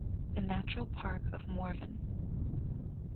The natural park of Morvan.